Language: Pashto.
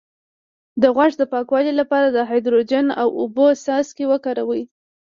د غوږ د پاکوالي لپاره د هایدروجن او اوبو څاڅکي وکاروئ